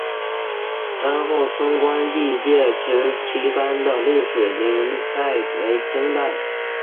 单侯村关帝庙石旗杆的历史年代为清代。